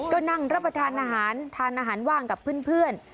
ก็นั่งรับประทานอาหารทานอาหารว่างกับเพื่อน